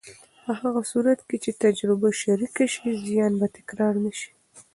په هغه صورت کې چې تجربه شریکه شي، زیان به تکرار نه شي.